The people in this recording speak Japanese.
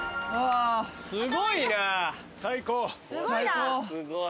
すごいな。